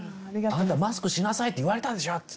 「あなたマスクしなさいって言われたでしょ！」